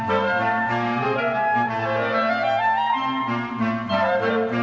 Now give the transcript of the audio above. สวัสดีครับสวัสดีครับ